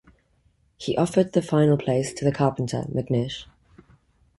He offered the final place to the carpenter, McNish.